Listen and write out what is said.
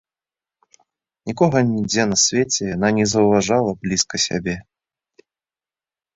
Нікога нідзе на свеце яна не заўважала блізка сябе.